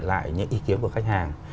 lại những ý kiến của khách hàng